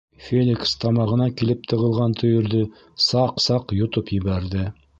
Феликс тамағына килеп тығылған төйөрҙө саҡ-саҡ йотоп ебәрҙе.